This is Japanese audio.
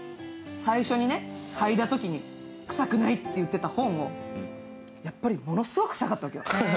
最初に嗅いだときに臭くないって言ってた本やっぱりものすごく臭かった。